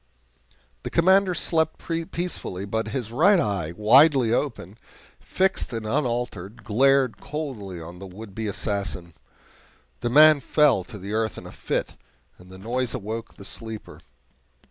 The Commander slept peacefully, but his right eye, widely opened, fixed and unaltered, glared coldly on the would be assassin. The man fell to the earth in a fit, and the noise awoke the sleeper.